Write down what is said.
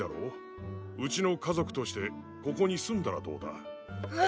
うちの家族としてここに住んだらどうだ？えっ！